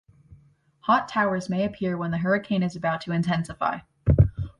Hot towers may appear when the hurricane is about to intensify.